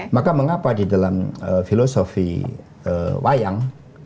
maka mengapa di dalam filosofi wayang